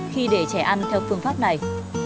khi để trẻ ăn theo phương pháp này